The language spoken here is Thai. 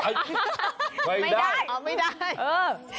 อะไรรู้ยังไงตอนนี้ไห้เห้ยไม่ได้เอ้าไม่ได้